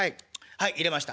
はい入れました」。